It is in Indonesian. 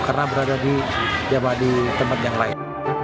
karena berada di tempat yang lain